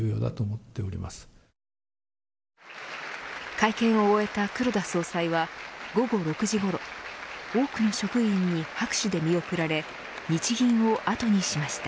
会見を終えた黒田総裁は午後６時ごろ多くの職員に拍手で見送られ日銀を後にしました。